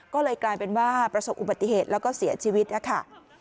ก็เลยกลายเป็นว่าประสบอุบัติเหตุแล้วก็เสียชีวิตนะคะ